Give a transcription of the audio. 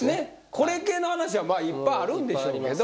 これ系の話はいっぱいあるんでしょうけど。